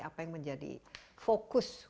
apa yang menjadi fokus